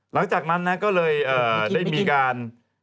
หลังจากนั้นนะก็เลยได้มีการ